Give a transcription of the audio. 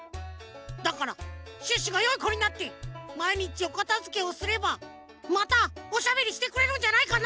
だからシュッシュがよいこになってまいにちおかたづけをすればまたおしゃべりしてくれるんじゃないかな？